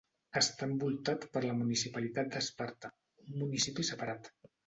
Està envoltat per la municipalitat de Sparta, un municipi separat.